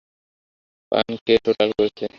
পান খেয়ে ঠোঁট লাল করেছে।